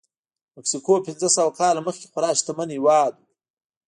مکسیکو پنځه سوه کاله مخکې خورا شتمن هېواد و.